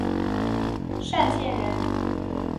剡县人。